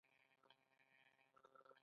هېواده دوښمنان دې تباه شه